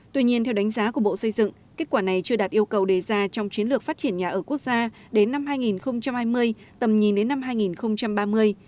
tuy nhiên theo đánh giá của bộ xây dựng kết quả này chưa đạt yêu cầu đề ra trong chiến lược phát triển nhà ở quốc gia đến năm hai nghìn hai mươi tầm nhìn đến năm hai nghìn ba mươi